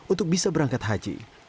untuk bisa berangkat haji